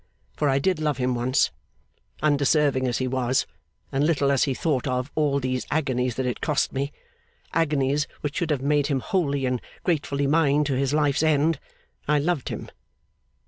For I did love him once. Undeserving as he was, and little as he thought of all these agonies that it cost me agonies which should have made him wholly and gratefully mine to his life's end I loved him.